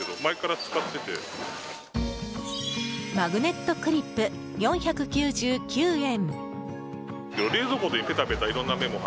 マグネットクリップ、４９９円。